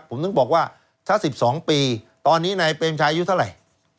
ผมต้องบอกว่าถ้า๑๒ปีตอนนี้ในเป็นชายุทธิ์เท่าไหร่